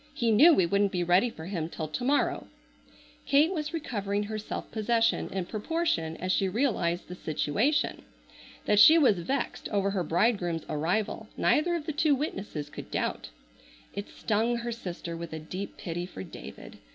He knew we wouldn't be ready for him till to morrow." Kate was recovering her self possession in proportion as she realized the situation. That she was vexed over her bridegroom's arrival neither of the two witnesses could doubt. It stung her sister with a deep pity for David.